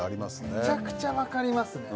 めちゃくちゃわかりますね